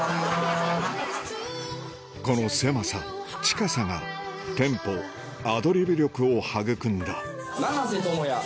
この狭さ近さがテンポアドリブ力を育んだ長瀬智也。